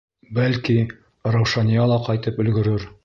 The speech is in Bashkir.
Бәлки, Раушания ла ҡайтып өлгөрөр.